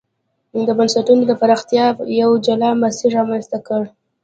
د بنسټونو د پراختیا یو جلا مسیر رامنځته کړ.